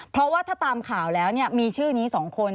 เพราะว่าถ้าตามข่าวแล้วมีชื่อนี้๒คน